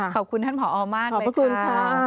ขอบคุณท่านผอมากเลยค่ะขอบพระคุณค่ะ